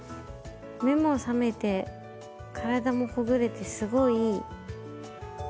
目も覚めて体もほぐれてすごいいい。